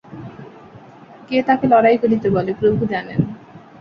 কে তাকে লড়াই করিতে বলে, প্রভু জানেন।